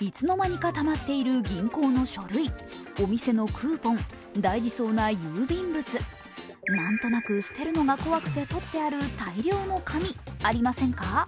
いつの間にかたまっている銀行の書類、お店のクーポン、大事そうな郵便物、なんとなく捨てるのが怖くてとってある大量の紙、ありませんか？